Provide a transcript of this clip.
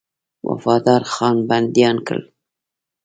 وفادارخان بنديان کړل.